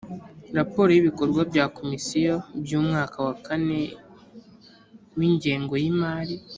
raporo y ibikorwa bya komisiyo by umwaka wa kane wingengo yimari